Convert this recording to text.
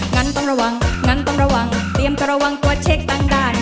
งั้นต้องระวังงั้นต้องระวังเตรียมจะระวังตัวเช็คต่างด้าน